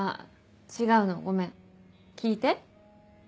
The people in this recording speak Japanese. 違うのごめん聞いて。